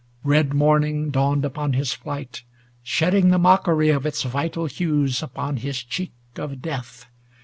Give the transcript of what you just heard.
Red morning dawned upon his flight, Shedding the mockery of its vital hues Upon his cheek of death.